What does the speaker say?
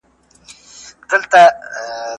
زه لوبه کړې ده!.